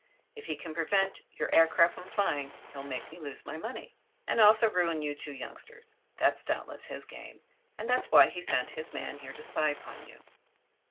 If he can prevent your aircraft from flying he'll make me lose my money and also ruin you two youngsters. That's doubtless his game. That's why he sent his man here to spy upon you."